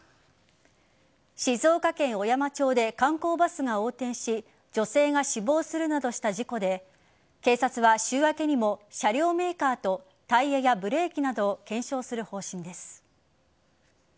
静岡県小山町で観光バスが横転し女性が死亡するなどした事故で警察は週明けにも車両メーカーとタイヤやブレーキなどを検証する方針です。